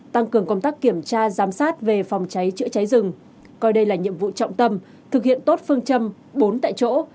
tăng cường công tác kiểm tra giám sát về phòng cháy chữa cháy rừng coi đây là nhiệm vụ trọng tâm thực hiện tốt phương châm bốn tại chỗ